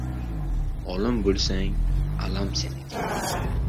Olim, bo‘lsang — alam seniki.